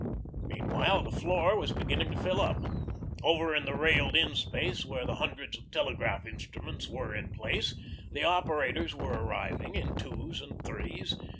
Meanwhile the floor was beginning to fill up. Over in the railed in space, where the hundreds of telegraph instruments were in place, the operators were arriving in twos and threes.